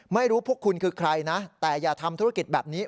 พวกคุณคือใครนะแต่อย่าทำธุรกิจแบบนี้